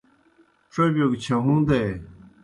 ڇوبِیو گہ چھہُون٘دے۔